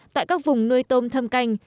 tại các vùng nuôi tôm thâm canh